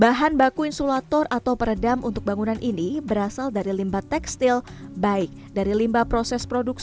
bahan baku insulator atau peredam untuk bangunan ini berasal dari limbah tekstil baik dari limbah proses produksi